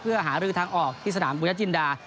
เพื่อหารือทางออกที่สนามบุญจินดา